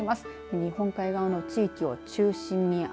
日本海側の地域を中心に雨。